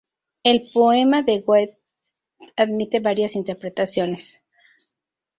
El poema de Goethe admite varias interpretaciones.